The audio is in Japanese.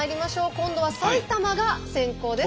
今度は埼玉が先攻です。